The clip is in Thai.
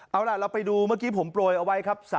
เอาล่ะเราไปดูเมื่อกี้ผมโปรยเอาไว้ครับ